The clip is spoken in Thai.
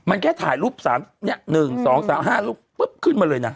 มันแค่ถ่ายรูปสามเนี่ยหนึ่งสองสามห้ารูปปุ๊บขึ้นมาเลยน่ะ